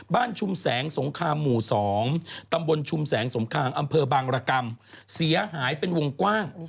ชุมแสงสงครามหมู่๒ตำบลชุมแสงสงครามอำเภอบางรกรรมเสียหายเป็นวงกว้าง